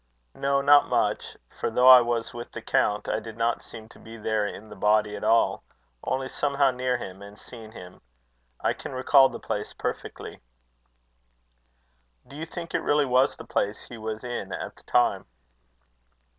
"No, not much; for though I was with the count, I did not seem to be there in the body at all, only somehow near him, and seeing him. I can recall the place perfectly." "Do you think it really was the place he was in at the time?"